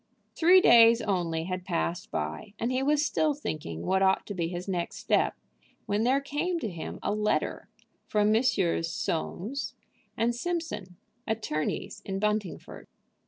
Three days only had passed by, and he was still thinking what ought to be his next step, when there came to him a letter from Messrs. Soames & Simpson, attorneys in Buntingford.